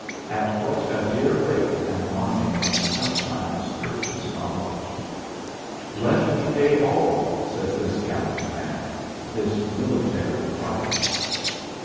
At what a dear rate an army must sometimes purchase knowledge! "Let me pay all," says this gallant man this military Christ!